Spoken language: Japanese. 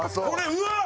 うわっ！